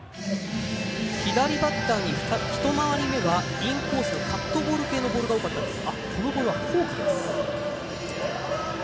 左バッターに一回り目はインコースとカットボール系のボールが多かったんですが。